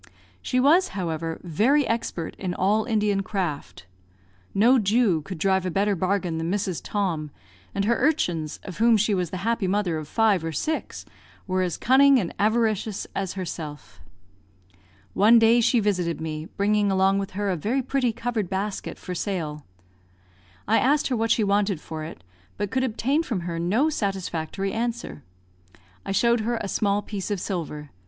She was, however, very expert in all Indian craft. No Jew could drive a better bargain than Mrs. Tom; and her urchins, of whom she was the happy mother of five or six, were as cunning and avaricious as herself. One day she visited me, bringing along with her a very pretty covered basket for sale. I asked her what she wanted for it, but could obtain from her no satisfactory answer. I showed her a small piece of silver.